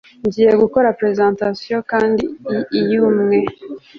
ngiye gukora presentation kandi iyumwe